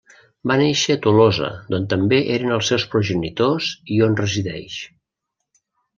Va néixer a Tolosa d'on també eren els seus progenitors i on resideix.